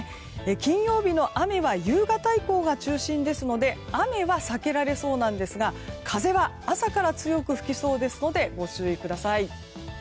金曜日の雨は夕方以降が中心ですので雨は避けられそうなんですが風は朝から強く吹きそうですのでご注意ください。